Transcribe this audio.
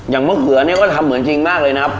มะเขือนี่ก็ทำเหมือนจริงมากเลยนะครับ